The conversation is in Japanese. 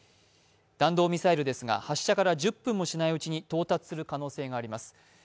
弾道ミサイルですが発射から１０分もしないうちに到達する可能性があります。